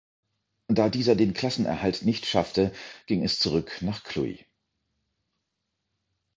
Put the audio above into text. Da dieser den Klassenerhalt nicht schaffte, ging es zurück nach Cluj.